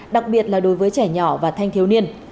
đặc biệt là đối với trẻ nhỏ và thanh thiếu niên